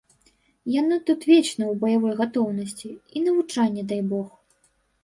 Яны тут вечна ў баявой гатоўнасці, і навучанне дай бог.